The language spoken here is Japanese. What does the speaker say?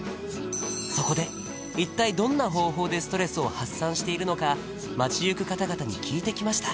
そこで一体どんな方法でストレスを発散しているのか街行く方々に聞いてきました